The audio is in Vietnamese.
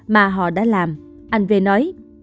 mà họ đã làm anh v nói